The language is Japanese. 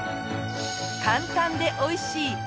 簡単でおいしい！